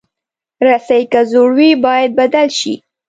رسۍ که زوړ وي، باید بدل شي.